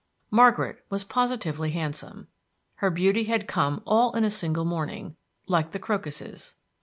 Margaret was positively handsome. Her beauty had come all in a single morning, like the crocuses.